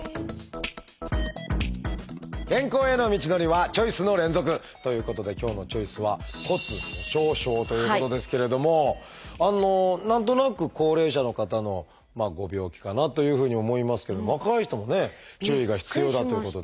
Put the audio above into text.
健康への道のりはチョイスの連続！ということで今日の「チョイス」は何となく高齢者の方のご病気かなというふうに思いますけど若い人もね注意が必要だということで。